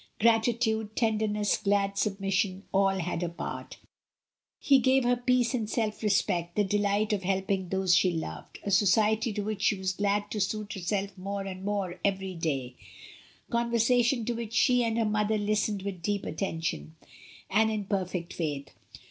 DYMOND. gratitude, tenderness, glad submission — all had a part He gave her peace and self respect, the de light of helping those she loved, a society to which she was glad to suit herself more and more every day, conversation to which she and her mother listened with deep attention, and in perfect faith.